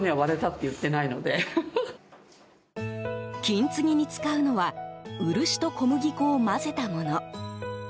金継ぎに使うのは漆と小麦粉を混ぜたもの。